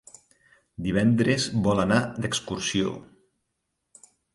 Divendres vol anar d'excursió.